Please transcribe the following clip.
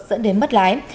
dẫn đến bất lái